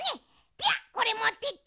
ピャッこれもってって。